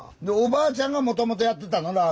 でおばあちゃんがもともとやってたの？